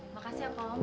makasih abang om